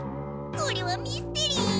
これはミステリー。